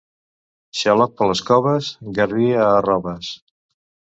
Xaloc per les coves, garbí a arroves.